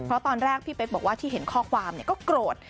เพราะตอนแรกพี่เป๊กบอกว่าที่เห็นข้อความก็โกรธ